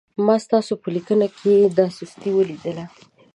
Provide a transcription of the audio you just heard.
ما ستاسو په لیکنه کې دا سستي ولیدله.